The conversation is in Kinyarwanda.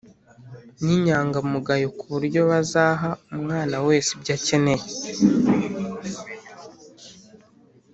n’inyangamugayo ku buryo bazaha umwana wese ibyo akeneye